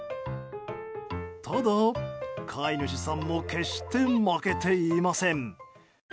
ただ、飼い主さんも決して負けていません。